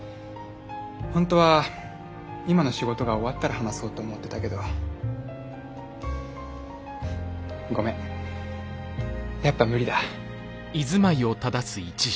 本当は今の仕事が終わったら話そうと思ってたけどごめんやっぱ無理だ。